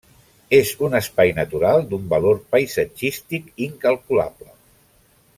És un espai natural d'un valor paisatgístic incalculable.